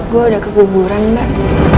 gue udah kekuburan mbak